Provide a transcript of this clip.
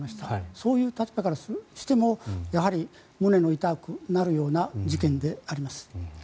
そういう立場からしてもやはり、胸の痛くなるような事件であります。